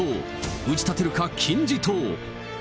打ち立てるか金字塔。